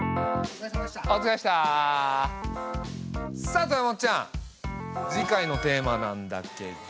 さあ豊本ちゃん次回のテーマなんだけど。